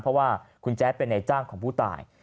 เพราะว่าคุณแจ๊ดเป็นในจ้างของผู้ตาย